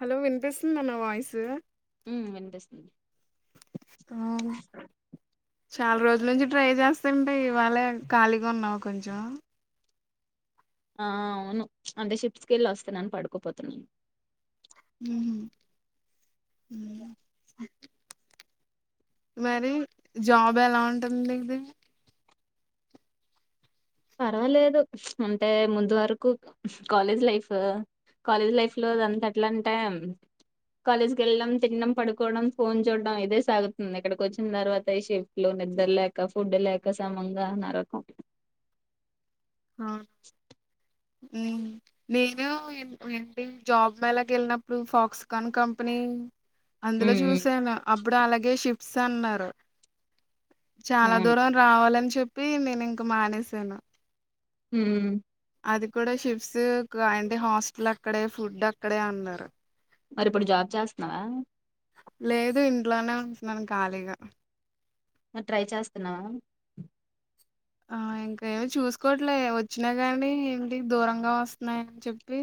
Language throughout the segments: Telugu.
హలో వింతపిస్తుందిన్న వాయిస్ ఉ విన్పిస్తున్ ఆ చాలా రోజుల నుంచి ట్రై చేస్తాంటే ఇవాళ ఖాళీగా ఉన్నావు కొంచెం ఆ అవును అంటే షిప్స్కె వెళ్ళి వస్తానని పడుకుపోతున్నాను హ మరి జాబ్ ఎలా ఉంటుంది ఇది పర్వాలేదు అంటే ముందు వరకు కాలేజ్ లైఫ్ కాలేజ్ లైఫ్ లో అ దంత ఎట్లా అంటే కాలేజ్కి వెళ్ళడం తినడం పడుకోవడం ఫోన్ చూడడం ఇదే సాగుతుంది ఇక్కడికి వచ్చిన తర్వాత ఈ షిఫ్ట్లు నిద్ర లేక ఫుడ్ లేక సమంగా నరకం అవ్ను నేను ఏంటి జాబ్ మేళకి వెళ్ళినప్పుడు ఫాక్స్కాన్ కంపెనీ అందులో ఉమ్ ఉమ్ చూసాను అబ్బ ఇప్పుడు అలాగే షిఫ్ట్స్ అన్నారు చాలా అవును దూరం రావాలని చెప్ప చెప్పి నేను ఇంక మానేసాను హ అది కూడా షిఫ్స్ అంటే హాస్టల్ అక్కడే ఫుడ్ అక్కడే అన్నారు మరి ఇప్పుడు జాబ్ చేస్తున్నావా లేదు ఇంట్లోనే ఉంటున్నాను ఖాళీగా ట్రై చేస్తున్నావా ఆ ఇంకా ఏమిచూసుకోవట్లే వచ్చినా కానీ ఏంటి దూరంగా వస్తున్నాయని చెప్పి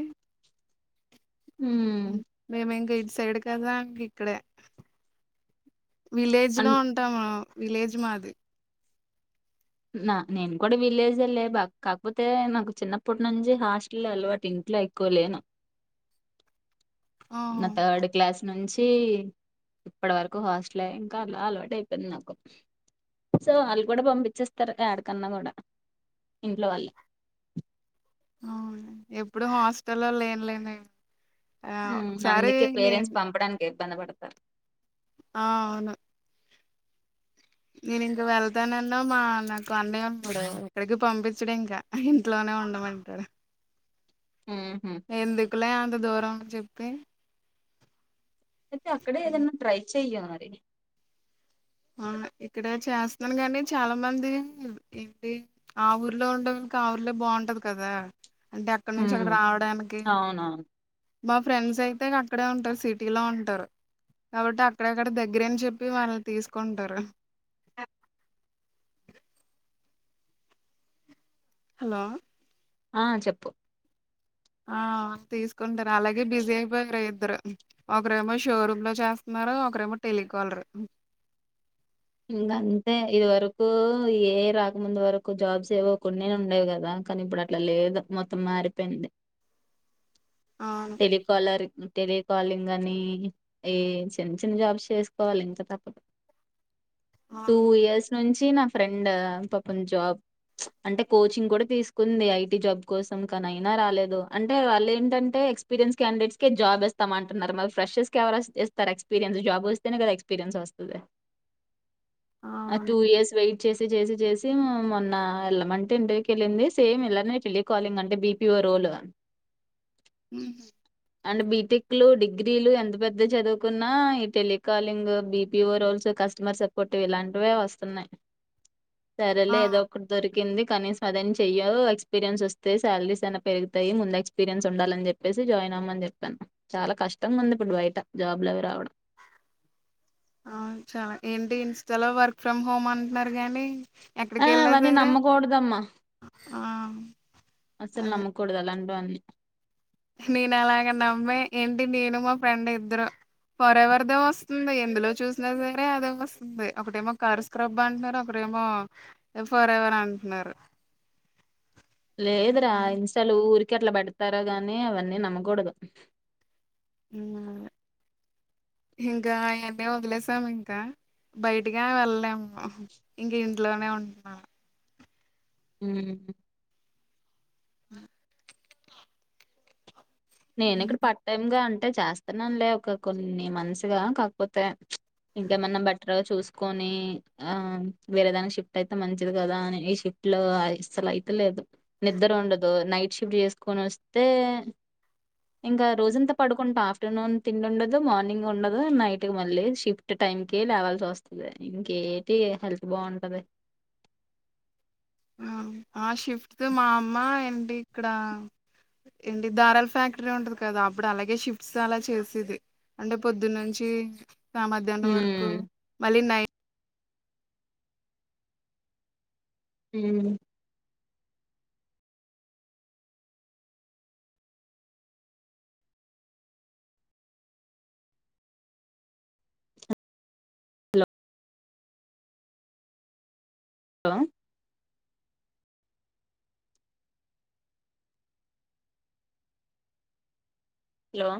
ఉమ్ మేమం గైడి సైడ్ కదాం ఇక్కడే విలేజ్ అన్ లో ఉంటాము విలేజ్ మాది నా నేను కూడా విలేజ్ లే బా కాకపోతే నాకు చిన్నప్పటి నుంచి హాస్టల్ అలవాటు ఇంట్లో ఎక్కువలేను ఆహా, నా థర్డ్ క్లాస్ నుంచి వచ్చ ఇప్పటి వరకు హాస్టలే ఇంకాళ అలవాటు అయిపోయింది నాకు సో వాళ్ళు కూడా పంపించేస్తారు ఏడకన్నా కూడా ఇంట్లో వాళ్ళు అవ్ను ఎప్పుడు హాస్టల్లో లేన లేని అందుకే పేరెంట్స్ పంపడానికి ఇబ్బందిపడతారు ఆ అవును నేను ఇంక వెళ్తానన్న మా నాకు అన్నయ ఉన్నాడు ఇక్కడికి పంపించడ ఇంకా ఇంట్లోనే ఉండమంటారు ఉహు. ఎందుకులే ఎంత దూరం చెప్తే అయితే అక్కడ ఏదైన్నా ట్ర్రాై యారి ఇక్కడే చేస్తున్నాను గాని చాలా మంది ఏంటి ఆ ఊర్లో ఉండేననికి ఆ ఊర్లో బాగుంటది కదా అంటే అక్కడ నుంచి ఉమ్, అక్కడ రావడానికి అవునవును మా ఫ్రెండ్స్ అయితే అక్కడే ఉంటారు సిటీలో ఉంటారు కాబట్టి అక్కడక్కడ దగ్గర అని చెప్పి వాళ్ళు తీసుకుంటారు హలో ఆ చెప్పు ఆ తీసుకుంటారు అలాగే బిజీ అయిపోయారు ఇద్దరు ఒకరేమో షోరూమ్ లో చేస్తున్నారు ఒకరేమో టెలికాలర్ ఇంకా అంతే ఇది వరకు యే ఐ రాకముందు వరకు జాబ్స్ ఏవో కొన్నే ఉండేవి కదా కానీ ఇప్పుడు అట్లా లేదు మొత్తం మారిపోయింది అవును తెలికాలర్ టెలికాలింగ్ అని ఏ చిన్న చిన్న జాబ్స్ చేసుకోవాలి ఇంకా తప్పడు టూ అవును ఇయర్స్ నుంచి చ్చ నా ఫ్రెండ్ పాప జాబ్ అంటే కోచింగ్ కూడా తీసుకుంది ఐటీ జాబ్ కోసం కానీ అయినా రాలేదు అంటే వాళ్ళ ఏంటంటే ఎక్స్ ఎక్స్పీరియన్స్ క్యాడిడేట్స్ కే జాబ్ ఇస్తామ అంటున్నారు మరి ఫ్రెషెస్ ఎవరూ ఇస్తారు ఎక్స్పీరియన్స్ జాబ్ వస్తేనే కద ఎక్స్పీరియన్స్ వస్తది ఆ అవును టూ ఇయర్స్ వెయిట్ చేసి చేసి చేసి మొన్న వెళ్ళమంటే ఇంటర్యూ కెళ్ళింది సేమ్ ఇలానే టెలికాలింగ్ అంటే బీపిఒ రోల్ మ్మ్ అంటే బీటెక్లు డిగ్రీలు ఎంత పెద్ద చదువుకున్నా ఈ telecalling BPO roles customer support ఇలాంటివే వస్తున్నాయ్ ఆ సరేలే ఏదోక్ట్ దొర్కి కింది కనీసం అదన్ చెయ్యు ఎక్స్పీరియన్స్ వస్తే సాలరీస్ అన్ పెరుగుతాయ్ ముందు ఎక్స్పీరియన్ ఉండాలని చెప్పి పెసి జాయిన్ అవమని చెప్పాను చాలా కష్టంగా ఉంది ఇప్పుడు బయట జాబ్లవి రావడం ఆ చాలా ఏంటి ఇంస్టాలో వర్క్ ఫ్రమ్ హోమ్ అంట్న్నారు గానీ ఆ అవన్నీ నమ్మకూడదమ్మా ఆ అస్సల్ అదే నమ్మకూడదులాంట్ టివి అన్ని నేను అలాగే నమ్మే ఏంటి నేను మా ఫ్రెండ్ ఇద్దరు ఫర్ ఎవర్దే వస్తుంది ఎందులో చూసినా సరే అదే వస్తుంది ఒకటేమో కార్ స్క్రబ్ అంటున్నారు ఒకరెమో ఫర్ ఎవర్ అంటున్నారు లేదరా ఇన్స్ట ఊరిక్ కట్లా పెడ్తార్గాని అవన్నీ నమ్మకూడదు మ్మ్ ఆ ఇంకా అవన్నీ వదిలేసామ్ ఇంకా బయటగా వెళ్లలేము ఇంక ఇంట్లోనే ఉంటున్నాము మ్మ్ నేను ఇక్కడ పట్టామ్ గా అంటే చేస్తన్నాన్లే ఒక కొన్ని మంత్స్గా కాకపోతే ఇంకేమన్నా బెటర్గా చూస్కొని ఆ వేరే దాన్కి షిఫ్ట్ అయితే మంచిది కదా అని ఈ షిఫ్ట్ లో అసలాయితే లేదు నిద్ర ఉండదు నైట్ షిఫ్ట్ చేస్కొని వస్తే ఇంకా రోజంతా పడ్కుంటా ఆఫ్టర్నూన్ తిండి ఉండదు మార్నింగ్ ఉండదు నైట్ మళ్ళీ షిఫ్ట్ టైమ్కి లేవాల్సి వస్తాది ఇంకేటి హెల్త్ బావుంటది ఆ ఆ శివ్ మా అమ్మ ఏంటి ఇక్కడ ఏంటి ధారాల ఫ్యాక్టరీ ఉంటది కదా అప్పుడు అలాగే షిఫ్ట్స్ అలా చేసేది అంటే పొద్దునున్చి సా మాధ్యాడం వరకు ఉమ్ మళ్ళీ నై మ్మ్ హలో ఆ హలో